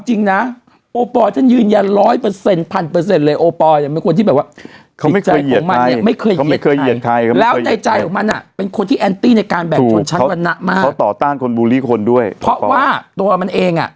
ชนชั้นวรรณะมากเขาต่อต้านคนบูลลี่คนด้วยเพราะว่าตัวมันเองอ่ะ